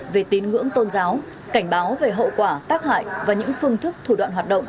về tín ngưỡng tôn giáo cảnh báo về hậu quả tác hại và những phương thức thủ đoạn hoạt động